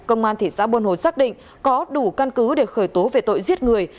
công an thị xã buôn hồ xác định có đủ căn cứ để khởi tố về tội giết người